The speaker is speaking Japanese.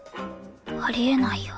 あり得ないよ。